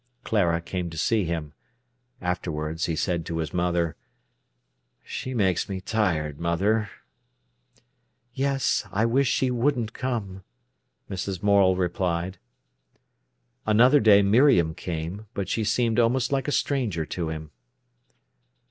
Clara came to see him. Afterwards he said to his mother: "She makes me tired, mother." "Yes; I wish she wouldn't come," Mrs. Morel replied. Another day Miriam came, but she seemed almost like a stranger to him.